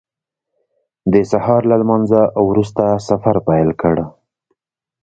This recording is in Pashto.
د سهار له لمانځه وروسته سفر پیل کړ.